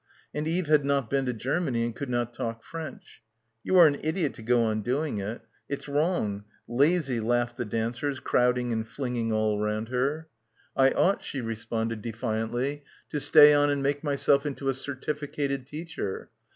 And Eve had not been to Germany and could not talk French. "You are an idiot to go on doing it. It's wrong. Lazy," laughed the dancers crowding and flinging all round her. "I ought," she re — 249 — PILGRIMAGE sponded defiantly, "to stay on and make myself into a certificated teacher."